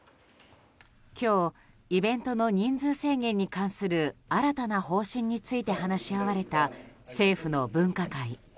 今日イベントの人数制限に関する新たな方針について話し合われた政府の分科会。